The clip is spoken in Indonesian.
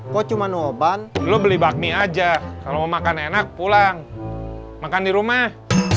kok cuma nuoban lu beli bakmi aja kalau mau makan enak pulang makan di rumah